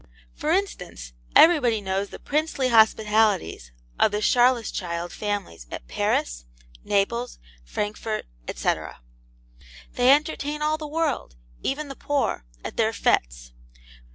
For instance, everybody knows the princely hospitalities of the Scharlaschild family at Paris, Naples, Frankfort, &c.. They entertain all the world, even the poor, at their FETES.